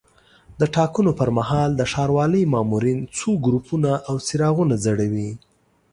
د ټاکنو پر مهال د ښاروالۍ مامورین څو ګروپونه او څراغونه ځړوي.